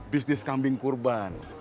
bisnis kambing kurban